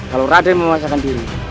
kalau raden memaksakan diri